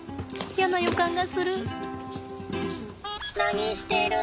やな予感がする。